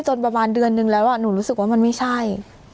ประมาณเดือนนึงแล้วหนูรู้สึกว่ามันไม่ใช่